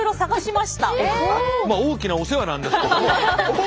まあ大きなお世話なんですけども。